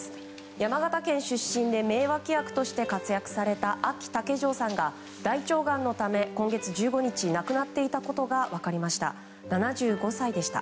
山形県出身で名脇役として活躍されたあき竹城さんが大腸がんのため今月１５日亡くなっていたことが分かりました。